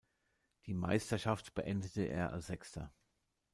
Die Meisterschaft beendete er als Sechster.